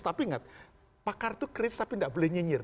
tapi ingat pakar itu kritis tapi tidak boleh nyinyir